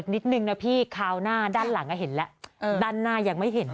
นิดนึงนะพี่คราวหน้าด้านหลังเห็นแล้วด้านหน้ายังไม่เห็น